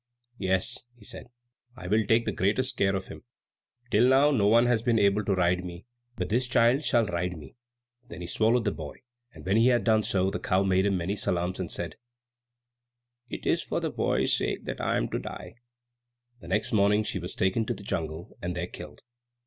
"Yes," he said, "I will take the greatest care of him. Till now no one has been able to ride me, but this child shall ride me." Then he swallowed the boy, and when he had done so, the cow made him many salaams, saying, "It is for this boy's sake that I am to die." The next morning she was taken to the jungle and there killed.